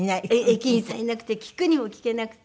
駅員さんいなくて聞くにも聞けなくて。